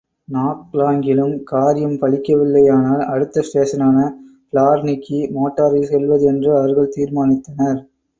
நாக்லாங்கிலும் காரியம் பலிக்கவில்லையானால், அடுத்த ஸ்டேஷனான பிளார்னிக்கு மோட்டாரில் செல்வது என்று அவர்கள் தீர்மானித்தனர்.